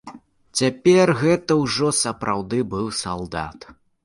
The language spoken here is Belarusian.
Цяпер гэта ўжо сапраўды быў салдат.